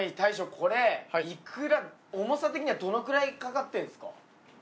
これイクラ重さ的にはどのくらいかかってんすか？